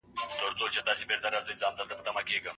موږ باید د طبیعي پیښو په وړاندې چمتووالی ولرو.